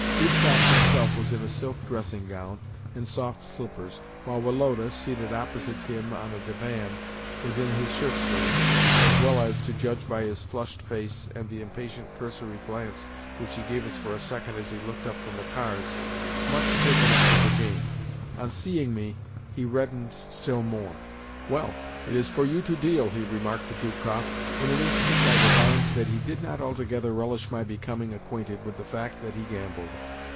Dubkoff himself was in a silk dressing gown and soft slippers, while Woloda seated opposite him on a divan was in his shirtsleeves, as well as (to judge by his flushed face and the impatient, cursory glance which he gave us for a second as he looked up from the cards) much taken up with the game. On seeing me, he reddened still more. "Well, it is for you to deal," he remarked to Dubkoff. In an instant I divined that he did not altogether relish my becoming acquainted with the fact that he gambled.